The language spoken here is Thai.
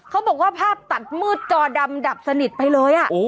เขาบอกว่าภาพตัดมืดจอดำดับสนิทไปเลย